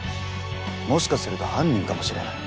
もしかすると犯人かもしれない。